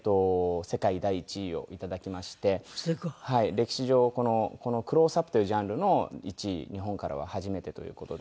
歴史上このクロースアップというジャンルの１位日本からは初めてという事で。